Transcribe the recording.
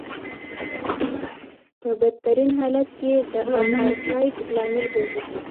په بدترین حالت کې د اپارټایډ لامل ګرځي.